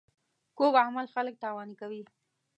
کوږ عمل خلک تاواني کوي